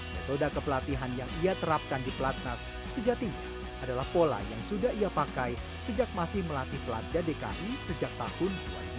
metode kepelatihan yang ia terapkan di platnas sejati adalah pola yang sudah ia pakai sejak masih melatih pelatih sejak tahun dua ribu